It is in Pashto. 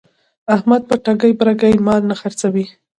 احمد په ټګۍ برگۍ مال نه خرڅوي.